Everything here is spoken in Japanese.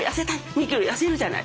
２キロ痩せるじゃない？